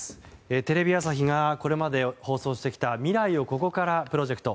テレビ朝日がこれまで放送してきた未来をここからプロジェクト。